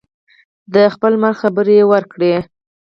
د خپل مرګ خبر یې ورکړی.